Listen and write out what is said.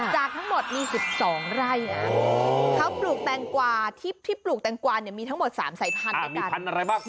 จากทั้งหมดมีสิบสองไร่อ๋อเขาปลูกแตงกวาที่ที่ปลูกแตงกวาเนี้ยมีทั้งหมดสามสายพันธุ์ในกันอ่ามีพันธุ์อะไรบ้าง